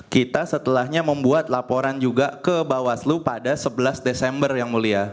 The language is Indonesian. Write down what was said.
kita setelahnya membuat laporan juga ke bawaslu pada sebelas desember yang mulia